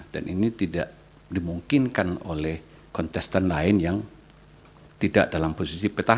dan ini tidak dimungkinkan oleh kontestan lain yang tidak memiliki pengaturan